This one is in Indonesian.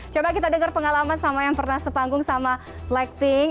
coba kita dengar pengalaman sama yang pernah sepanggung sama blackpink